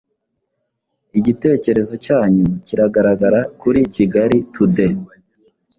Igitekerezo cyanyu kiragaragara kuri Kigali Tude